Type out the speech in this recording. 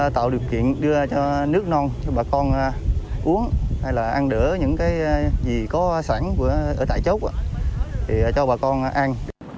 tạo được chuyện đưa cho nước non cho bà con uống hay là ăn đỡ những gì có sẵn ở tại chốc cho bà con ăn